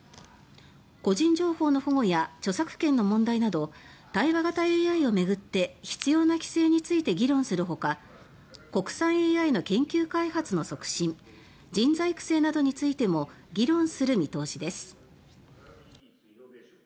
個人情報の保護や著作権の問題など対話型ＡＩを巡って必要な規制について議論するほか国産ＡＩの研究開発の促進人材育成などについても議論する見通しです。